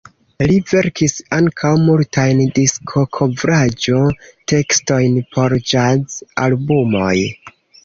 Li verkis ankaŭ multajn diskokovraĵo-tekstojn por ĵaz-albumoj.